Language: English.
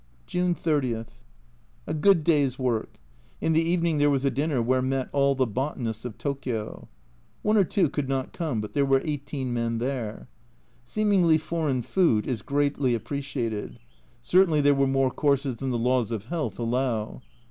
June 30. A good day's work. In the evening there was a dinner where met all the botanists of Tokio. One or two could not come, but there were 1 8 men there. Seemingly foreign food is greatly appreciated certainly there were more courses than the laws of health allow.